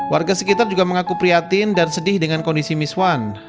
warga sekitar juga mengaku prihatin dan sedih dengan kondisi miswan